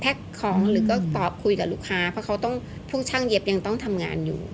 แพ็กของหรือก็ต่อคุยกับลูกค้าเพราะพวกช่างเย็บยังต้องทำงานอยู่